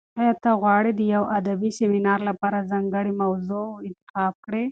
ایا ته غواړې د یو ادبي سیمینار لپاره ځانګړې موضوع انتخاب کړې؟